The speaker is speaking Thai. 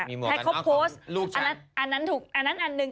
แพทย์เขาโพสต์อันนั้นอันนึง